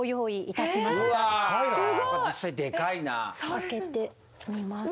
開けてみますと。。